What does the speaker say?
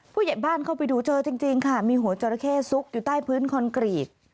ผู้ใหญ่บ้านเข้าไปดูเจอจริงค่ะมีหัวจราเข้ซุกอยู่ใต้พื้นคอนกรีต